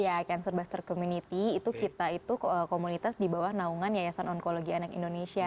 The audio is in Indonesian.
ya cancerbuster community itu kita itu komunitas di bawah naungan yayasan onkologi anak indonesia